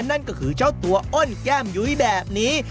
นั่นก็คือเจ้าตัวอ้นแก้มยุ้ยแบบนี้